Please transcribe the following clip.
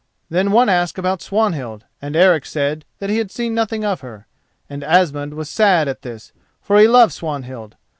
Then one asked about Swanhild, and Eric said that he had seen nothing of her, and Asmund was sad at this, for he loved Swanhild.